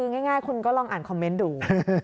ง่ายคุณก็ลองอ่านคอมเมนต์ดู